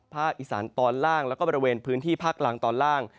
อีสานตอนล่างแล้วก็บริเวณพื้นที่ภาคล่างตอนล่าง